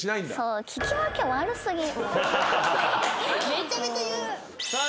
めちゃめちゃ言う。